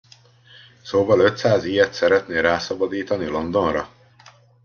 Szóval ötszáz ilyet szeretnél rászabadítani Londonra?